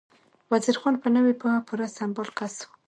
وزیر خان په نوې پوهه پوره سمبال کس و.